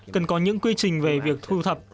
cần có những quy trình về việc thu thập